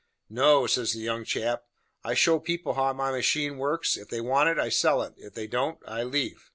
"No," says the young chap, "I show people how my machine works; if they want it, I sell it; and if they don't, I leave."